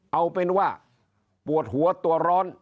เอาเป็นว่าปวดหัวตัวร้อน